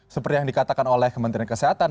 seperti yang dikatakan oleh kementerian kesehatan